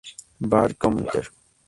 Barth Commuter.